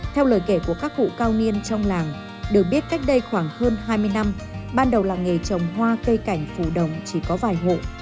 theo lời kể của các cụ cao niên trong làng được biết cách đây khoảng hơn hai mươi năm ban đầu làng nghề trồng hoa cây cảnh phù đồng chỉ có vài hộ